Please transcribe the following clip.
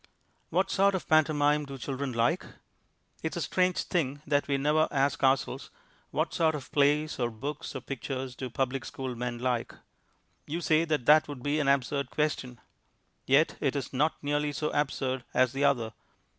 What sort of pantomime do children like? It is a strange thing that we never ask ourselves "What sort of plays or books or pictures do public school men like?" You say that that would be an absurd question. Yet it is not nearly so absurd as the other.